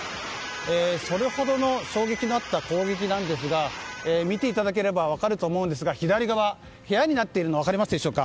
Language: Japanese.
それほどの衝撃だった攻撃なんですが見ていただければ分かると思うんですが左側部屋になっているのが分かるでしょうか。